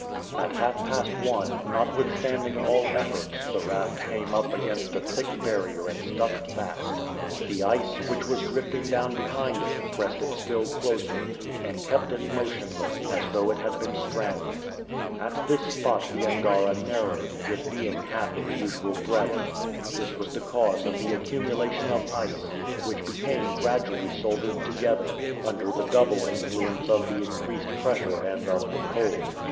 At half past one, notwithstanding all efforts, the raft came up against a thick barrier and stuck fast. The ice, which was drifting down behind it, pressed it still closer, and kept it motionless, as though it had been stranded. At this spot the Angara narrowed, it being half its usual breadth. This was the cause of the accumulation of ice, which became gradually soldered together, under the double influence of the increased pressure and of the cold.